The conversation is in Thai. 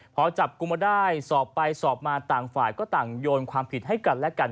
พอจับกลุ่มมาได้สอบไปสอบมาต่างฝ่ายก็ต่างโยนความผิดให้กันและกัน